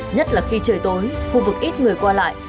nhất là khi trời tối khu vực ít người qua lại